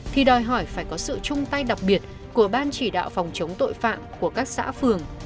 thì đòi hỏi phải có sự chung tay đặc biệt của ban chỉ đạo phòng chống tội phạm của các xã phường